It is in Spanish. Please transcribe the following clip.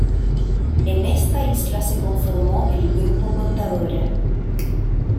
En esta isla se conformó el Grupo Contadora.